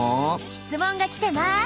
質問が来てます。